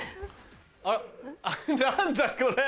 あら何だこれ。